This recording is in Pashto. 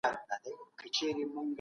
سازمانونه باید د دولت له خوا کنټرول سي.